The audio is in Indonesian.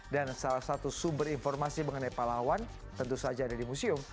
dan salah satu sumber informasi mengenai pahlawan tentu saja ada di museum